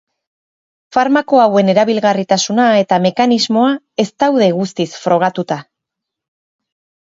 Farmako hauen erabilgarritasuna eta mekanismoa ez daude guztiz frogatuta.